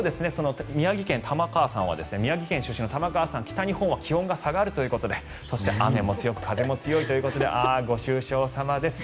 一方、宮城県出身の玉川さんは北日本は気温が下がるということでそして、雨も強く風も強いということでご愁傷さまです。